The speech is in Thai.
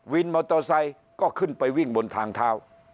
วินมอเตอร์ไซค์ก็ขึ้นไปวิ่งบนทางเท้า